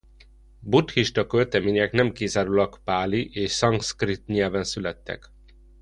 Buddhista költemények nem kizárólag páli és szanszkrit nyelven születtek.